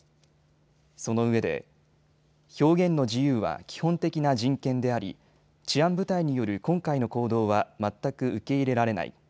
そのうえで表現の自由は基本的な人権であり治安部隊による今回の行動は全く受け入れられない。